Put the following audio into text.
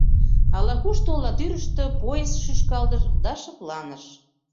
Ала-кушто ола тӱрыштӧ поезд шӱшкалтыш да шыпланыш.